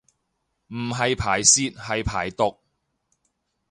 唔係排泄係排毒